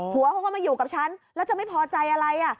เขาก็มาอยู่กับฉันแล้วจะไม่พอใจอะไร